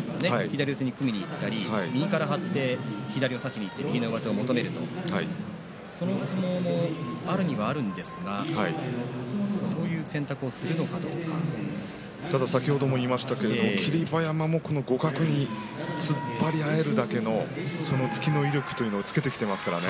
左四つに組みにいったり右から張って左を差して右の上手を求めるその相撲もあるにはあるんですが先ほども言いましたけれども霧馬山も互角に突っ張り合えるだけの突きの威力というのをつけてきていますからね。